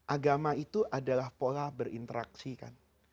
agama itu adalah pola berinteraksi kan